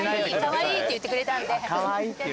「カワイイ」って言ってくれたんで。